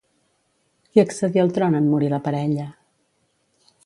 Qui accedí al tron en morir la parella?